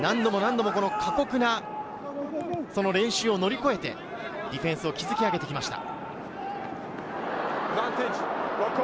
過酷な練習を乗り越えて、ディフェンスを築き上げてきました。